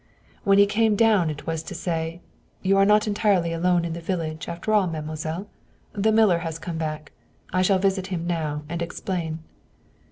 When he came down it was to say: "You are not entirely alone in the village, after all, mademoiselle. The miller has come back. I shall visit him now and explain."